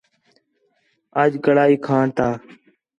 اَڄ کڑاہی کھاݨ تا